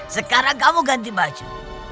sekarang kamu ganti baju